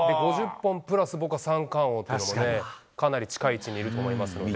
５０本プラス、僕は三冠王、かなり近い位置にいると思いますので。